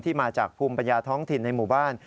มาจากภูมิปัญญาท้องถิ่นในหมู่บ้าน